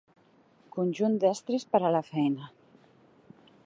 Conjunt d'estris per a la feina.